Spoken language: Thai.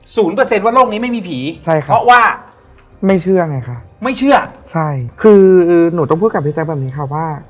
ศูนย์เปอร์เซ็นต์ว่าโลกนี้ไม่มีผีเพราะว่าไม่เชื่อไงคะคือหนูต้องพูดกลับในใจแบบนี้ค่ะว่า